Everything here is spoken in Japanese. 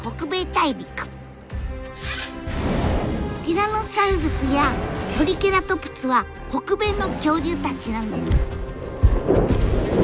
ティラノサウルスやトリケラトプスは北米の恐竜たちなんです。